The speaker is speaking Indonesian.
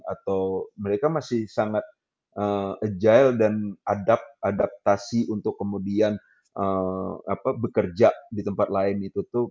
atau mereka masih sangat agile dan adap adaptasi untuk kemudian bekerja di tempat lain ditutup